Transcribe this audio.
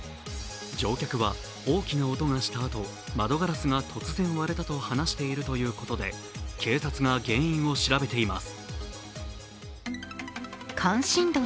乗客は、大きな音がしたあと窓ガラスが突然割れたと話しているということで警察が原因を調べています。